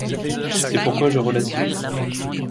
C'est pourquoi je relativise.